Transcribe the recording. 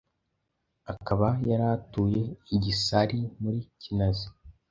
akaba yari atuye i Gisali muri Kinazi